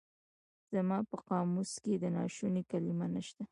زما په قاموس کې د ناشوني کلمه نشته.